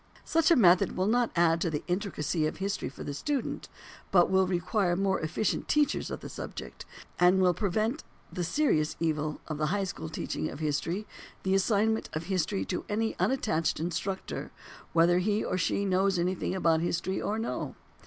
Such a method will not add to the intricacy of history for the student, but it will require more efficient teachers of the subject, and it will prevent that serious evil of the high school teaching of history, the assignment of history to any unattached instructor, whether he or she knows anything about history or no.